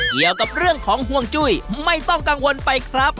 เกี่ยวกับเรื่องของห่วงจุ้ยไม่ต้องกังวลไปครับ